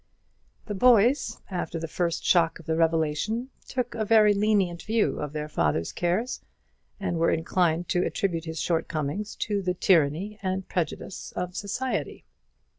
The boys, after the first shock of the revelation, took a very lenient view of their father's case, and were inclined to attribute his shortcomings to the tyranny and prejudice of society.